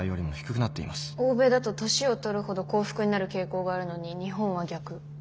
欧米だと年をとるほど幸福になる傾向があるのに日本は逆。